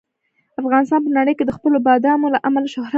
افغانستان په نړۍ کې د خپلو بادامو له امله شهرت لري.